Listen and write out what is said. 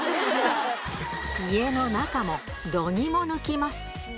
家の中も度肝抜きます。